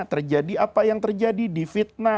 terjadi apa yang terjadi